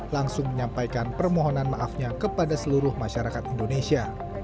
langsung menyampaikan permohonan maafnya kepada seluruh masyarakat indonesia